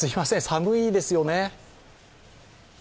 寒いですよね？